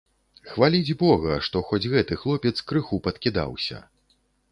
Хваліць бога, што хоць гэты хлопец крыху падкідаўся.